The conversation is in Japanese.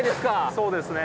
そうですね。